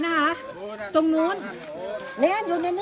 ทางล่วง